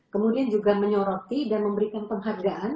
kemudian juga menyoroti dan memberikan penghargaan